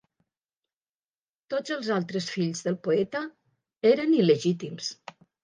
Tots els altres fills del poeta eren il·legítims.